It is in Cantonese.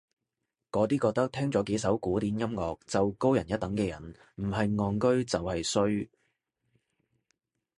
嗰啲覺得聽咗幾首古典音樂就高人一等嘅人唔係戇居就係衰